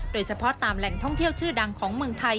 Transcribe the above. โดยเฉพาะตามแหล่งท่องเที่ยวชื่อดังของเมืองไทย